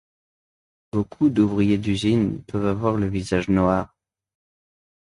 Beaucoup d'ouvriers d'usines peuvent avoir le visage noir.